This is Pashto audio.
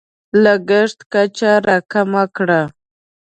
لګښت کچه راکمه کړه.